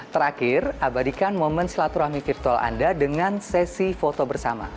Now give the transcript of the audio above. terakhir abadikan momen silaturahmi virtual anda dengan sesi foto bersama